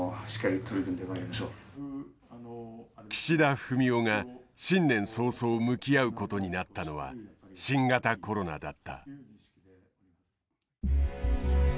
岸田文雄が新年早々向き合うことになったのは新型コロナだった。